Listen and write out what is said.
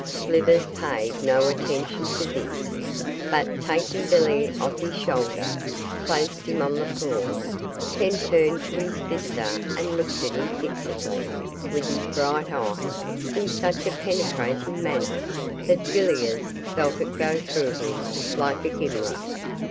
Slivers paid no attention to this, but, taking Billy off his shoulder, placed him on the floor, then turned to his visitor and looked at him fixedly with his bright eye in such a penetrating manner that Villiers felt it go through him like a gimlet.